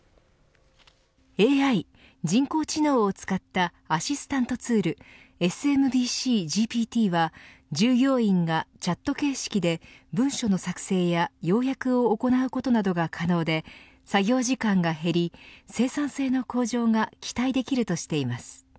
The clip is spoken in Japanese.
ＡＩ人工知能を使ったアシスタントツールＳＭＢＣ−ＧＰＴは従業員がチャット形式で文書の作成や要約を行うことなどができ作業時間が減り生産性の向上が期待できるとしています。